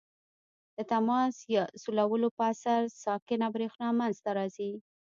د تماس یا سولولو په اثر ساکنه برېښنا منځ ته راځي.